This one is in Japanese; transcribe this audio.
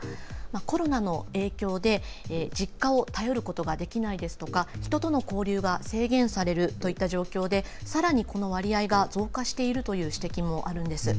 コロナの影響で実家を頼ることができないですとか人との交流が制限されるという状況でさらに、この割合が増加しているという指摘もあるんです。